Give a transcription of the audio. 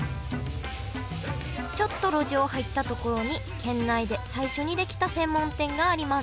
ちょっと路地を入った所に県内で最初に出来た専門店があります